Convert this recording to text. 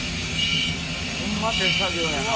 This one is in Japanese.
ホンマ手作業やな。